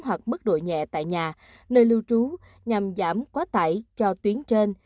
hoặc mức độ nhẹ tại nhà nơi lưu trú nhằm giảm quá tải cho tuyến trên